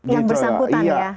yang bersangkutan ya